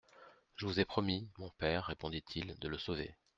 Je vous ai promis, mon père, répondit-il, de le sauver.